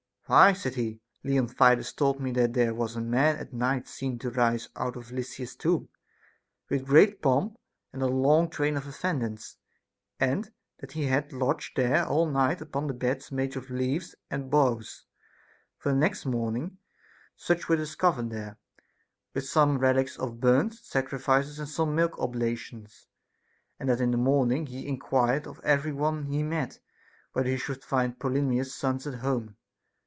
Why, said he, Leontidas told me that there was a man at night seen to rise out of Lysis's tomb, with great pomp and a long train of attendants, and that he had lodged there all night upon beds made of leaves and boughs ; for the next morning such were discovered there, with some relics of burnt SOCRATES'S DAEMON. 3 «5 sacrifices and some milk oblations ; and that in the morn ing he enquired of every one he met, whether he should find Polymnis's sons at home.